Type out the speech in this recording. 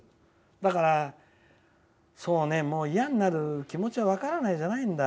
だから、もういやになる気持ちは分からないんじゃないんだ。